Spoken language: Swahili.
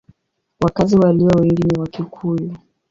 Wakazi walio wengi ni Wakikuyu.